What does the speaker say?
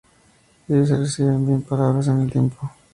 Ello se percibe bien en "Palabras en el tiempo.